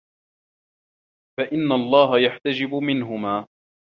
فَإِنَّ اللَّهَ يَحْتَجِبُ مِنْهُمَا